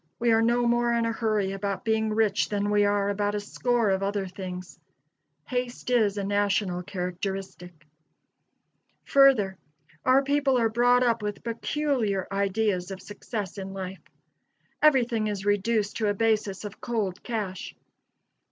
We are no more in a hurry about being rich than we are about a score of other things. Haste is a national characteristic. Further, our people are brought up with peculiar ideas of success in life. Everything is reduced to a basis of cold cash.